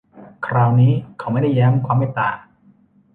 คราวนี้เขาไม่ได้แย้มความเมตตา